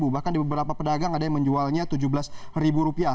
bahkan di beberapa pedagang ada yang menjualnya tujuh belas ribu rupiah